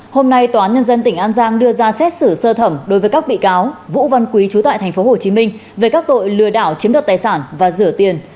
hôm nay tòa án nhân dân tỉnh an giang đưa ra xét xử sơ thẩm đối với các bị cáo vũ văn quý chú tại tp hcm về các tội lừa đảo chiếm đoạt tài sản và rửa tiền